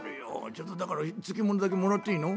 ちょっとだから漬物だけもらっていいの？